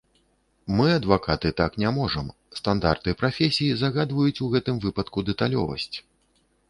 Мы, адвакаты, так не можам, стандарты прафесіі загадваюць ў гэтым выпадку дэталёвасць.